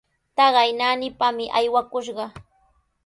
Taqay naanipami aywakushqa.